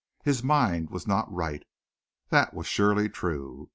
His mind was not right. That was surely true.